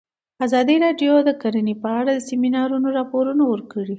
ازادي راډیو د کرهنه په اړه د سیمینارونو راپورونه ورکړي.